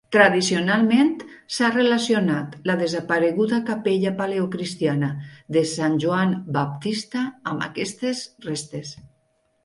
Tradicionalment, s'ha relacionat la desapareguda capella paleocristiana de Sant Joan Baptista amb aquestes restes.